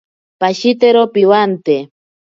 Pashitero piwante.